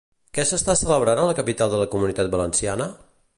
Què s'està celebrant a la capital de la Comunitat Valenciana?